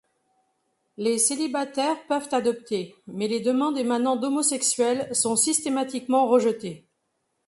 Les célibataires peuvent adopter, mais les demandes émanant d'homosexuels sont systématiquement rejetées.